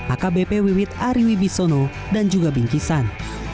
akbp wiwit ariwi bisono dan juga bingkisan